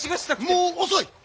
もう遅い！